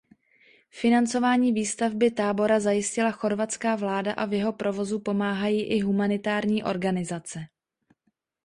Financování výstavby tábora zajistila chorvatská vláda a v jeho provozu pomáhají i humanitární organizace.